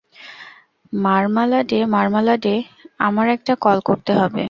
মারমালাডে, মারমালাডে, আমার একটা কল করতে হবে।